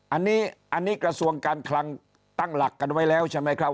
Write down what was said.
อันนี้กระทรวงการคลังตั้งหลักกันไว้แล้วใช่ไหมครับ